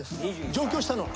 上京したのは。